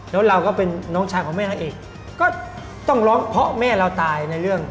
แล้วเราก็เป็นน้องชายของแม่นางเอกก็ต้องร้องเพราะแม่เราตายในเรื่อง